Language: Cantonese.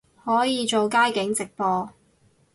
可以做街景直播